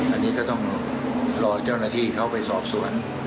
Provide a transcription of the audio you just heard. อันนี้ก็ต้องรอเจ้าหน้าที่เขาไปสอบสวน